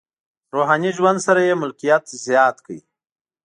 روحاني ژوند سره یې ملکیت زیات کړ.